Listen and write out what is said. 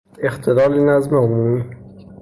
اختلال نظم عمومی